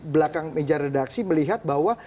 belakang meja redaksi melihat bahwa